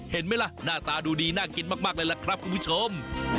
เห็นไหมล่ะหน้าตาดูดีน่ากินมากเลยล่ะครับคุณผู้ชม